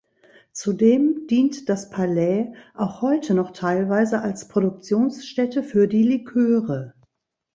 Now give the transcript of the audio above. Zudem dient das Palais auch heute noch teilweise als Produktionsstätte für die Liköre.